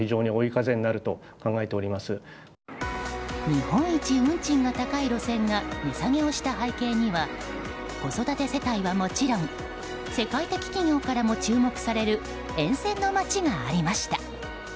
日本一運賃が高い路線が値下げをした背景には子育て世帯はもちろん世界的企業からも注目される沿線の街がありました。